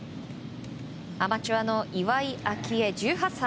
アマチュアの岩井明愛、１８歳。